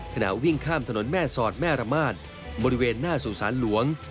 ขณะวิ่งข้ามถนนแม่สอดแม่ระมาทบริเวณหน้าสู่สารหลวง